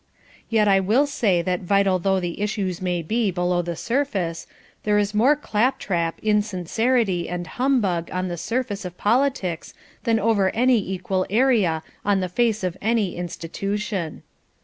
Yet I will say that vital though the issues may be below the surface, there is more clap trap, insincerity and humbug on the surface of politics than over any equal area on the face of any institution.